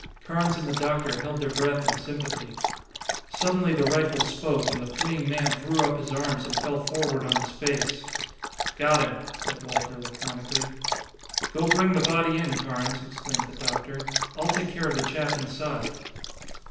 Carnes and the doctor held their breath in sympathy. Suddenly the rifle spoke, and the fleeing man threw up his arms and fell forward on his face. "Got him," said Walter laconically. "Go bring the body in, Carnes," exclaimed the doctor. "I'll take care of the chap inside."